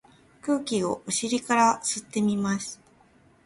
空気をお尻から吸ってみます。